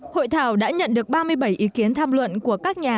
hội thảo đã nhận được ba mươi bảy ý kiến tham luận của các nhà